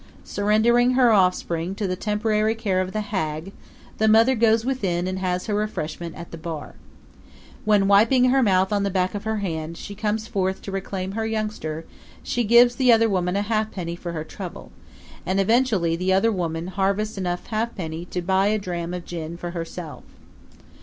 Surrendering her offspring to the temporary care of the hag the mother goes within and has her refreshment at the bar. When, wiping her mouth on the back of her hand, she comes forth to reclaim the youngster she gives the other woman a ha'penny for her trouble, and eventually the other woman harvests enough ha'penny bits to buy a dram of gin for herself.